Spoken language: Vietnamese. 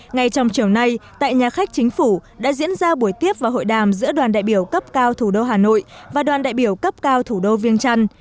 ngay trong chiều nay tại nhà khách chính phủ đã diễn ra buổi tiếp và hội đàm giữa đoàn đại biểu cấp cao thủ đô hà nội và đoàn đại biểu cấp cao thủ đô viêng trăn